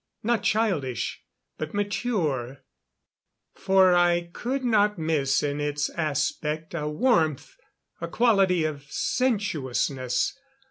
Not childish, but mature; for I could not miss in its aspect, a warmth, a quality of sensuousness.